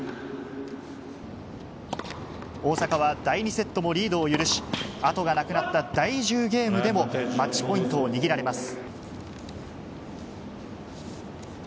大坂は第２セットもリードを許し、後がなくなった第１０ゲームでも、マッチポイントを握られます。